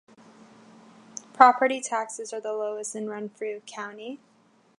Property taxes are the lowest in Renfrew County.